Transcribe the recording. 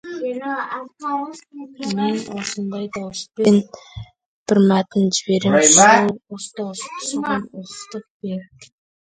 Объединившись, мы сможет одержать победу над крупными табачными компаниями.